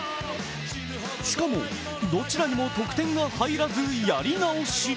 しかも、どちらにも得点が入らずやり直し。